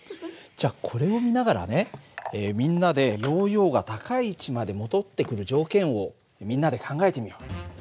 じゃこれを見ながらねみんなでヨーヨーが高い位置まで戻ってくる条件をみんなで考えてみよう。